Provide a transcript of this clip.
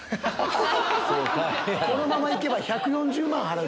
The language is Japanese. このまま行けば１４０万払う。